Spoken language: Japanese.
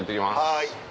はい。